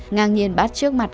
ngang nhiên bắt trước mặt